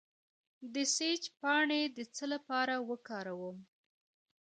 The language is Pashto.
د سیج پاڼې د څه لپاره وکاروم؟